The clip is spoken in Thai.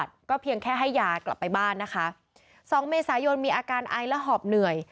ก็เพียงแค่ให้ยากลับไปบ้านนะคะสองเมษายนมีอาการไอและหอบเหนื่อย